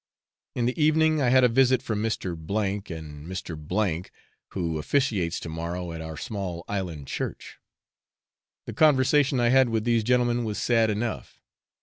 In the evening, I had a visit from Mr. C and Mr. B , who officiates to morrow at our small island church. The conversation I had with these gentlemen was sad enough.